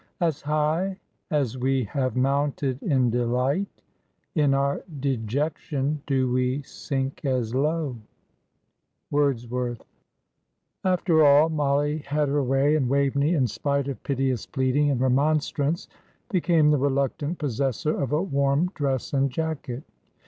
"As high as we have mounted in delight In our dejection do we sink as low." WORDSWORTH. After all, Mollie had her way, and Waveney, in spite of piteous pleading and remonstrance, became the reluctant possessor of a warm dress and jacket.